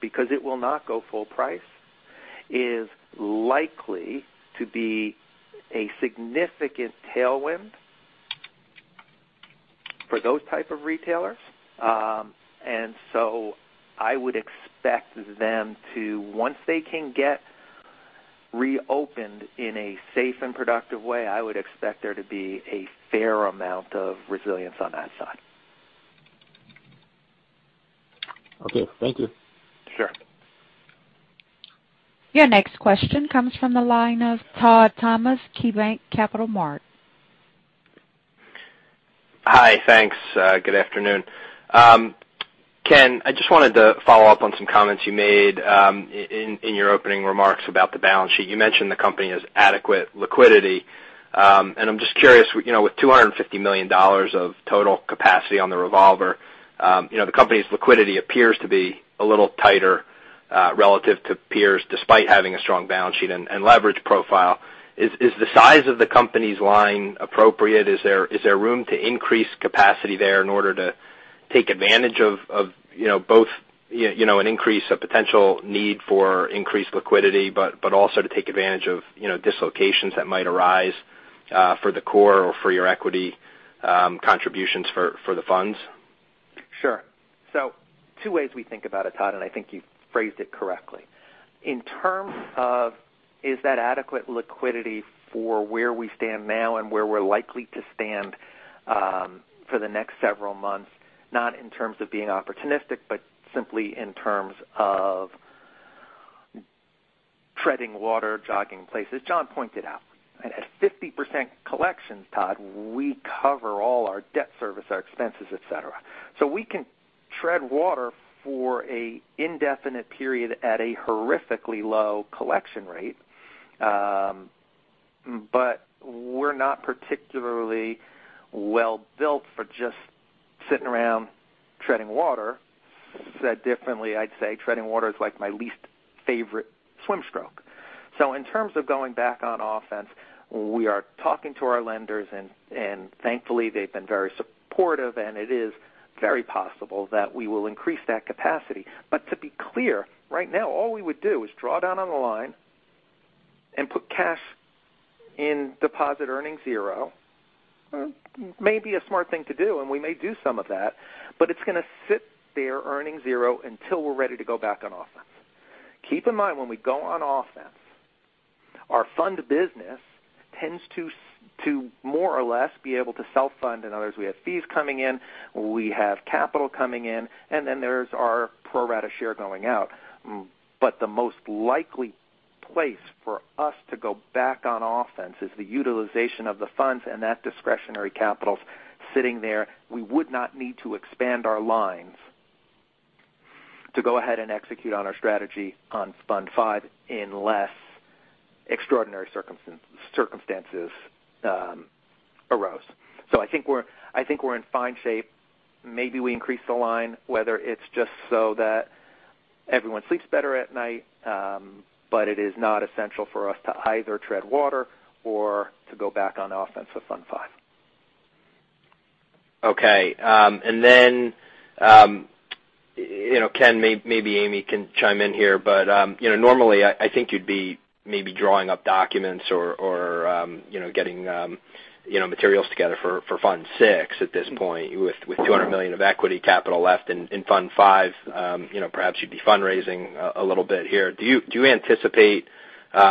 S3: because it will not go full price, is likely to be a significant tailwind for those type of retailers. I would expect them to, once they can get reopened in a safe and productive way, I would expect there to be a fair amount of resilience on that side.
S7: Okay. Thank you.
S3: Sure.
S1: Your next question comes from the line of Todd Thomas, KeyBanc Capital Markets.
S8: Hi. Thanks. Good afternoon. Ken, I just wanted to follow up on some comments you made in your opening remarks about the balance sheet. You mentioned the company has adequate liquidity. I'm just curious, with $250 million of total capacity on the revolver, the company's liquidity appears to be a little tighter relative to peers, despite having a strong balance sheet and leverage profile. Is the size of the company's line appropriate? Is there room to increase capacity there in order to take advantage of both, an increase of potential need for increased liquidity, but also to take advantage of dislocations that might arise for the core or for your equity contributions for the funds?
S3: Sure. Two ways we think about it, Todd, and I think you phrased it correctly. In terms of is that adequate liquidity for where we stand now and where we're likely to stand for the next several months, not in terms of being opportunistic, but simply in terms of treading water, jogging in places. John pointed out. At 50% collections, Todd, we cover all our debt service, our expenses, et cetera. We can tread water for a indefinite period at a horrifically low collection rate. We're not particularly well-built for just sitting around treading water. Said differently, I'd say treading water is like my least favorite swim stroke. In terms of going back on offense, we are talking to our lenders, and thankfully, they've been very supportive, and it is very possible that we will increase that capacity. To be clear, right now, all we would do is draw down on the line and put cash in deposit earning zero. May be a smart thing to do, and we may do some of that, but it's going to sit there earning zero until we're ready to go back on offense. Keep in mind, when we go on offense, our fund business tends to more or less be able to self-fund. In other words, we have fees coming in, we have capital coming in, and then there's our pro rata share going out. The most likely place for us to go back on offense is the utilization of the funds, and that discretionary capital sitting there. We would not need to expand our lines to go ahead and execute on our strategy on Fund V unless extraordinary circumstances arose. I think we're in fine shape. Maybe we increase the line, whether it's just so that everyone sleeps better at night. It is not essential for us to either tread water or to go back on offense with Fund V.
S8: Okay. Ken, maybe Amy can chime in here, normally I think you'd be maybe drawing up documents or getting materials together for Fund VI at this point. With $200 million of equity capital left in Fund V, perhaps you'd be fundraising a little bit here. Do you anticipate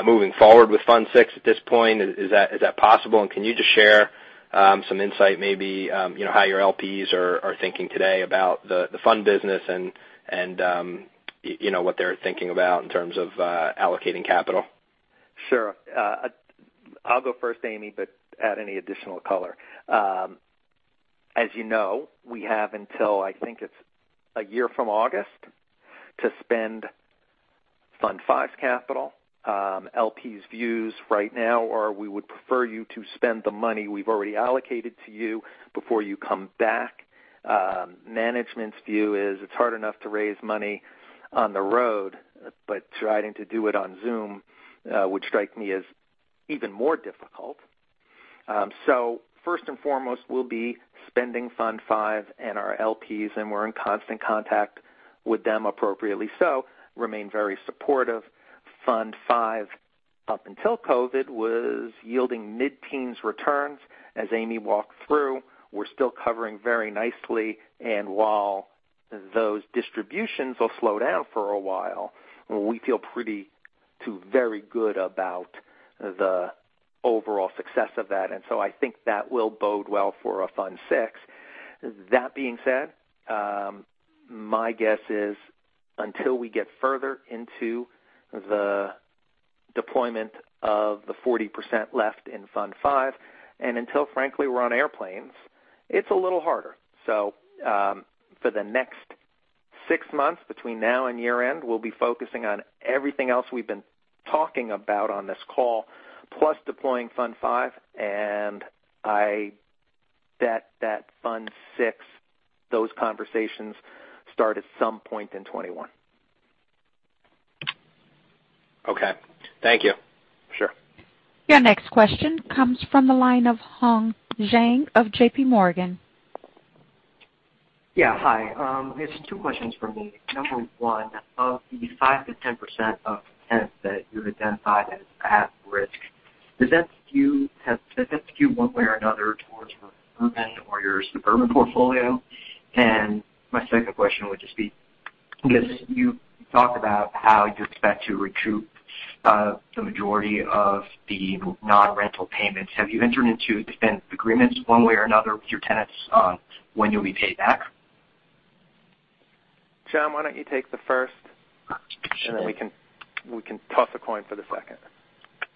S8: moving forward with Fund VI at this point? Is that possible? Can you just share some insight, maybe how your LPs are thinking today about the fund business and what they're thinking about in terms of allocating capital?
S3: Sure. I'll go first, Amy, but add any additional color. As you know, we have until, I think it's one year from August to spend Fund V's capital. LP's views right now are we would prefer you to spend the money we've already allocated to you before you come back. Management's view is it's hard enough to raise money on the road, but trying to do it on Zoom would strike me as even more difficult. First and foremost, we'll be spending Fund V and our LPs, and we're in constant contact with them appropriately so. Remain very supportive. Fund V, up until COVID, was yielding mid-teens returns. As Amy walked through, we're still covering very nicely. While those distributions will slow down for a while, we feel pretty to very good about the overall success of that. I think that will bode well for a Fund VI. That being said, my guess is until we get further into the deployment of the 40% left in Fund V, and until frankly, we're on airplanes, it's a little harder. For the next six months between now and year-end, we'll be focusing on everything else we've been talking about on this call, plus deploying Fund V. I bet that Fund VI, those conversations start at some point in 2021.
S8: Okay. Thank you.
S3: Sure.
S1: Your next question comes from the line of Hong Zhang of JPMorgan.
S9: Yeah. Hi. Just two questions for me. Number one, of the 5%-10% of tenants that you've identified as at risk, does that skew one way or another towards your urban or your suburban portfolio? My second question would just be, I guess you talked about how you expect to recoup the majority of the non-rental payments. Have you entered into defense agreements one way or another with your tenants on when you'll be paid back?
S3: John, why don't you take the first? Then we can toss a coin for the second.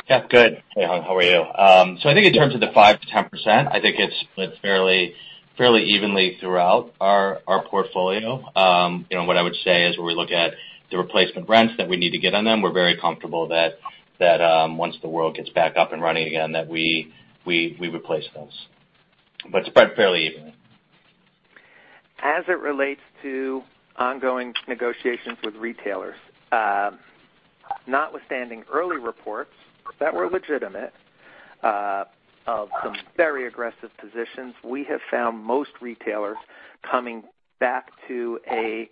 S4: Yeah. Good. Hey, Hong, how are you? I think in terms of the 5%-10%, I think it's fairly evenly throughout our portfolio. What I would say is where we look at the replacement rents that we need to get on them, we're very comfortable that once the world gets back up and running again, that we replace those. Spread fairly evenly.
S3: As it relates to ongoing negotiations with retailers, notwithstanding early reports that were legitimate of some very aggressive positions, we have found most retailers coming back to a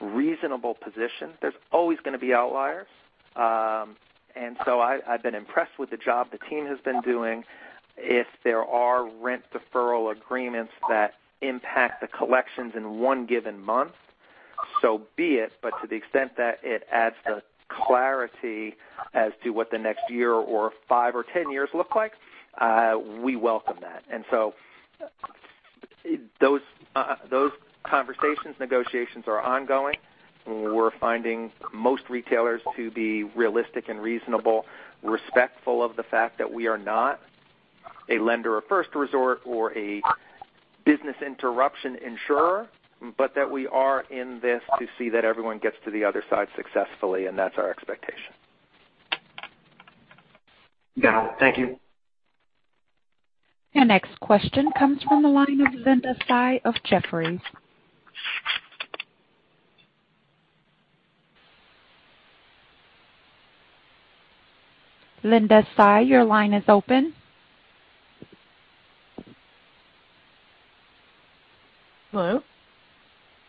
S3: reasonable position. There's always going to be outliers. I've been impressed with the job the team has been doing. If there are rent deferral agreements that impact the collections in one given month, so be it, but to the extent that it adds the clarity as to what the next year or five or 10 years look like, we welcome that. Those conversations, negotiations are ongoing. We're finding most retailers to be realistic and reasonable, respectful of the fact that we are not a lender of first resort or a business interruption insurer, but that we are in this to see that everyone gets to the other side successfully, and that's our expectation.
S9: Got it. Thank you.
S1: Your next question comes from the line of Linda Tsai of Jefferies. Linda Tsai, your line is open.
S10: Hello?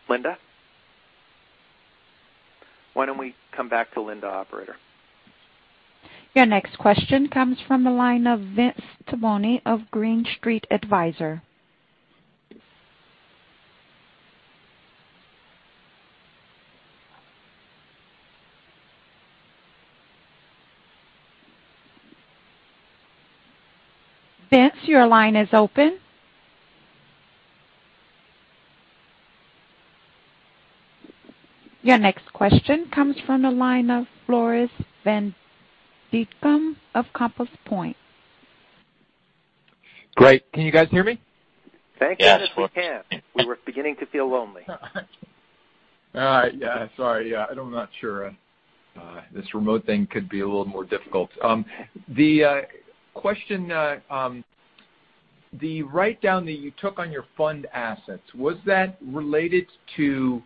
S3: Linda? Why don't we come back to Linda, operator?
S1: Your next question comes from the line of Vince Tibone of Green Street Advisors. Vince, your line is open. Your next question comes from the line of Floris van Dijkum of Compass Point.
S11: Great. Can you guys hear me?
S3: Thank goodness we can. We were beginning to feel lonely.
S11: All right. Yeah. Sorry. I am not sure. This remote thing could be a little more difficult. The question, the write-down that you took on your fund assets, was that related to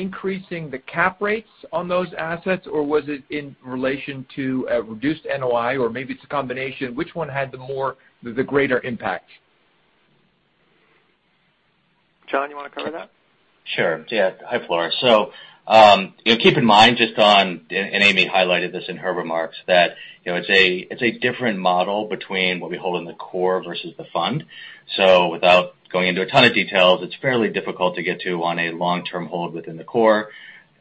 S11: increasing the cap rates on those assets, or was it in relation to a reduced NOI, or maybe it is a combination? Which one had the greater impact?
S3: John, you want to cover that?
S4: Sure. Yeah. Hi, Floris. Keep in mind, and Amy highlighted this in her remarks, that it's a different model between what we hold in the Core versus the Fund. Without going into a ton of details, it's fairly difficult to get to on a long-term hold within the Core,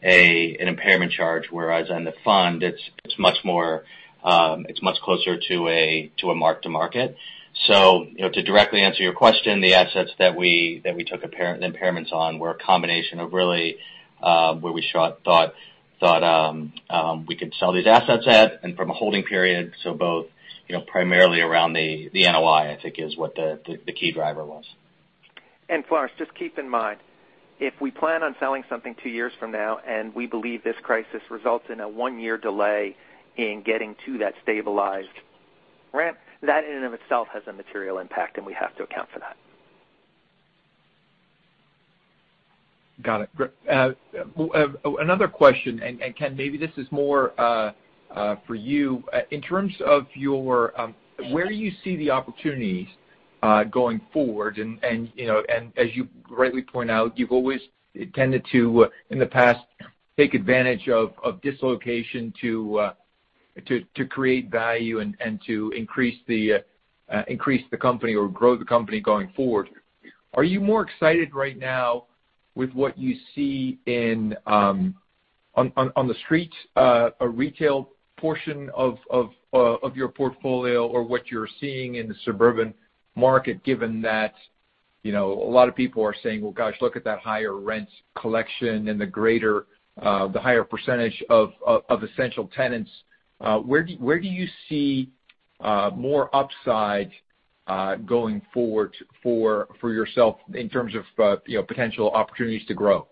S4: an impairment charge, whereas in the Fund, it's much closer to a mark to market. To directly answer your question, the assets that we took impairments on were a combination of really where we thought we could sell these assets at and from a holding period. Both primarily around the NOI, I think, is what the key driver was.
S3: Floris, just keep in mind, if we plan on selling something two years from now, and we believe this crisis results in a one-year delay in getting to that stabilized ramp, that in and of itself has a material impact, and we have to account for that.
S11: Got it. Great. Ken, maybe this is more for you. Where do you see the opportunities going forward? As you rightly point out, you've always tended to, in the past, take advantage of dislocation to create value and to increase the company or grow the company going forward. Are you more excited right now with what you see on the street, a retail portion of your portfolio or what you're seeing in the suburban market, given that a lot of people are saying, "Well, gosh, look at that higher rent collection and the higher percentage of essential tenants." Where do you see more upside going forward for yourself in terms of potential opportunities to grow?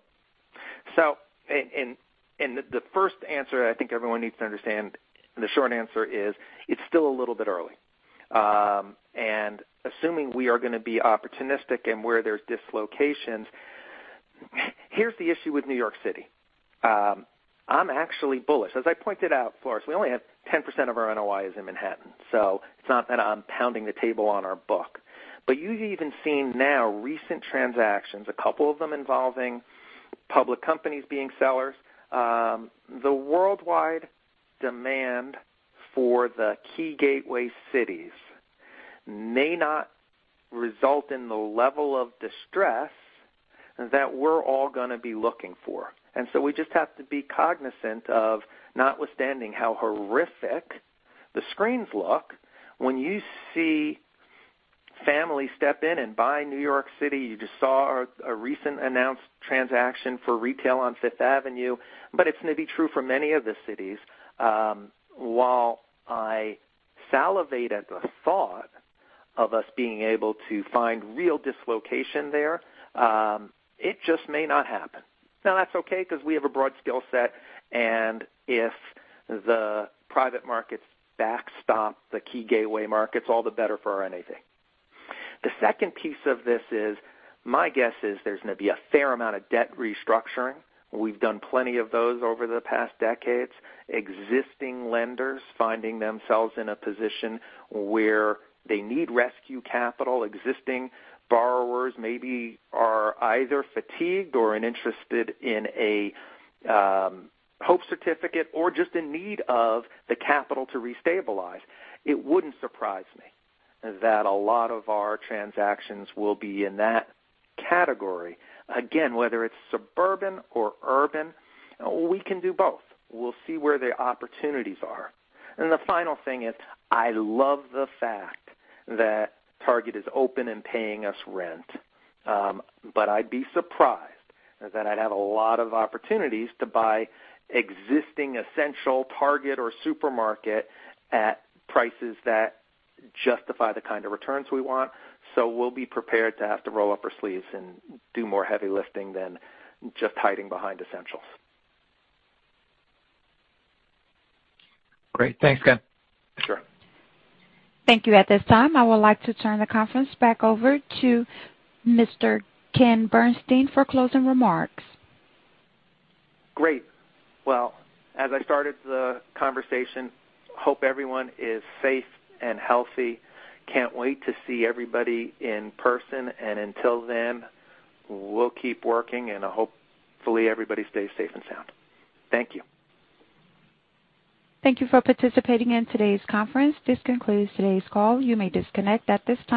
S3: The first answer I think everyone needs to understand, the short answer is it's still a little bit early. Assuming we are going to be opportunistic and where there's dislocations, here's the issue with New York City. I'm actually bullish. As I pointed out, Floris, we only have 10% of our NOI is in Manhattan, so it's not that I'm pounding the table on our book. You've even seen now recent transactions, a couple of them involving public companies being sellers. The worldwide demand for the key gateway cities may not result in the level of distress that we're all going to be looking for. We just have to be cognizant of, notwithstanding how horrific the screens look, when you see Family step in and buy New York City. You just saw a recent announced transaction for retail on Fifth Avenue, but it's going to be true for many of the cities. While I salivate at the thought of us being able to find real dislocation there, it just may not happen. Now, that's okay because we have a broad skill set, and if the private markets backstop the key gateway markets, all the better for our anything. The second piece of this is, my guess is there's going to be a fair amount of debt restructuring. We've done plenty of those over the past decades. Existing lenders finding themselves in a position where they need rescue capital. Existing borrowers maybe are either fatigued or interested in a hope certificate or just in need of the capital to restabilize. It wouldn't surprise me that a lot of our transactions will be in that category. Again, whether it's suburban or urban, we can do both. We'll see where the opportunities are. The final thing is, I love the fact that Target is open and paying us rent. I'd be surprised that I'd have a lot of opportunities to buy existing essential Target or supermarket at prices that justify the kind of returns we want. We'll be prepared to have to roll up our sleeves and do more heavy lifting than just hiding behind essentials.
S11: Great. Thanks, Ken.
S3: Sure.
S1: Thank you. At this time, I would like to turn the conference back over to Mr. Ken Bernstein for closing remarks.
S3: Great. Well, as I started the conversation, hope everyone is safe and healthy. Can't wait to see everybody in person, and until then, we'll keep working, and hopefully, everybody stays safe and sound. Thank you.
S1: Thank you for participating in today's conference. This concludes today's call. You may disconnect at this time.